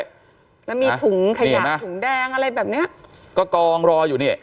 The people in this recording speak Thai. แล้วมีถุงขยะถุงแดงอะไรแบบเนี้ยก็กองรออยู่นี่